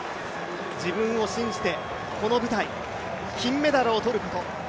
自分を信じて、この舞台金メダルを取ること。